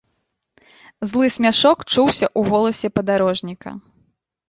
Злы смяшок чуўся ў голасе падарожніка.